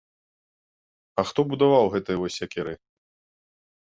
А хто будаваў гэтай вось сякерай?